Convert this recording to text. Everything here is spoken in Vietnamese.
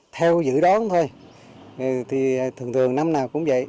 theo dự đoán thôi thì thường thường năm nào cũng vậy